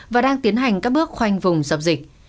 và đang tiến hành các bước khoanh vùng dập dịch